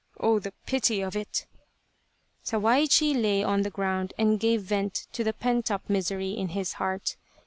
Oh, the pity of it !" Sawaichi lay on the ground and gave vent to the pent up misery in his heart.